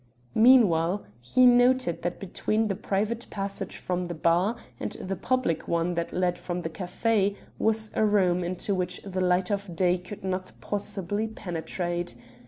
Meanwhile he noted that between the private passage from the bar and the public one that led from the café was a room into which the light of day could not possibly penetrate.